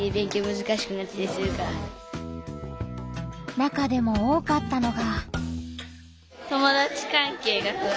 中でも多かったのが。